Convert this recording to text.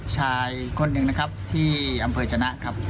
ชายคนหนึ่งนะครับที่อำเภอชนะครับ